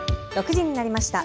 ６時になりました。